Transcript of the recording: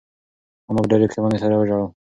انا په ډېرې پښېمانۍ سره وژړل.